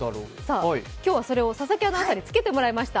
今日はそれを佐々木アナウンサーにつけてもらいました。